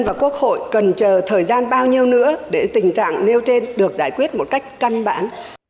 và quốc hội cần chờ thời gian bao nhiêu nữa để tình trạng nêu trên được giải quyết một cách căn bản